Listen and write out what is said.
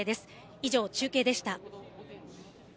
以上、中継でした。